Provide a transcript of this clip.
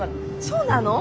そうなの？